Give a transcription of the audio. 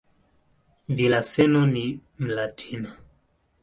Villaseñor ni "Mlatina".